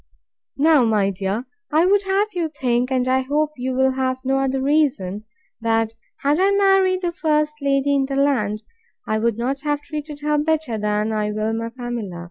Now, my dear, I would have you think, and I hope you will have no other reason, that had I married the first lady in the land, I would not have treated her better than I will my Pamela.